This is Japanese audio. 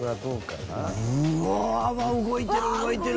うわあ動いてる動いてる。